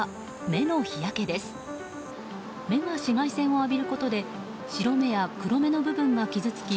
目が紫外線を浴びることで白目や黒目の部分が傷つき